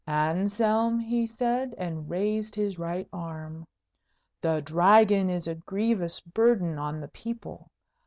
'Anselm,' he said, and raised his right arm, 'the Dragon is a grievous burden on the people.